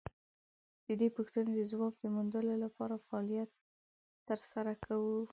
د دې پوښتنې د ځواب د موندلو لپاره فعالیت تر سره کوو.